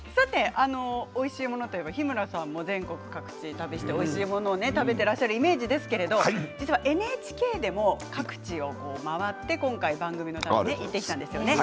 おいしいものといえば日村さんも全国各地旅をしておいしいもの食べていらっしゃるイメージですけれど実はＮＨＫでも各地を回って今回、番組のために行ってきたんですよね。